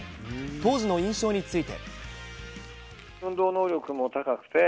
当時の印象について。